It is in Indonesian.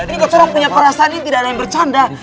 ini orang punya perasaan ini tidak ada yang bercanda